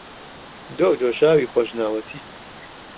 دۆ و دۆشاوی خۆشناوەتی